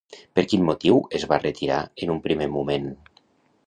Per quin motiu es va retirar en un primer moment?